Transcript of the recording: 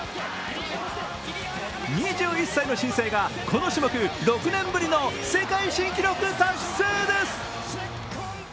２１歳の新星がこの種目６年ぶりの世界新記録達成です。